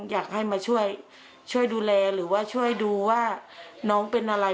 อยากให้มาช่วยช่วยดูแลหรือว่าช่วยดูว่าน้องเป็นอะไร